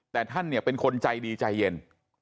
แต่ท่านเนี่ยเป็นคนใจดีใจเย็น